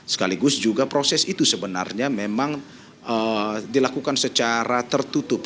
sekaligus juga proses itu sebenarnya memang dilakukan secara tertutup